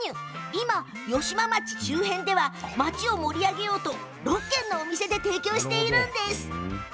今、好間町周辺では町を盛り上げようと６軒のお店で提供しています。